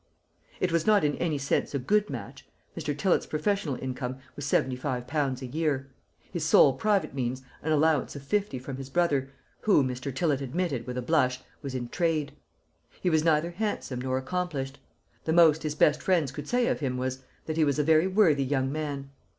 It was not in any sense a good match. Mr. Tillott's professional income was seventy five pounds a year; his sole private means an allowance of fifty from his brother, who, Mr. Tillott admitted, with a blush, was in trade. He was neither handsome nor accomplished. The most his best friends could say of him was, that he was "a very worthy young man."